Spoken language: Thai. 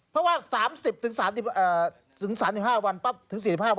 เพราะว่า๓๐๔๓ฯวันรอบนึงปั๊บ